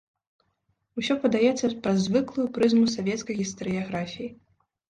Усё падаецца праз звыклую прызму савецкай гістарыяграфіі.